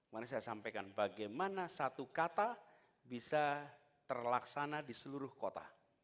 mari saya sampaikan bagaimana satu kata bisa terlaksana di seluruh kota